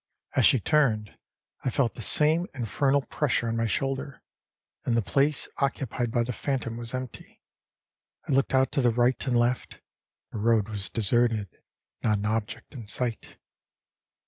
â As she turned I felt the same infernal pressure on my shoulder, and the place occupied by the phantom was empty. I looked out to the right and left the road was deserted, not an object in sight.